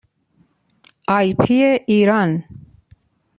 آی پی ایران